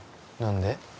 何で？